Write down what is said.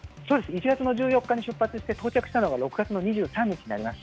１月の１４日に出発して、到着したのが６月の２３日になります。